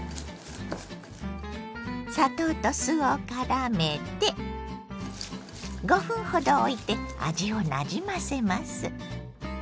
砂糖と酢をからめて５分ほどおいて味をなじませます。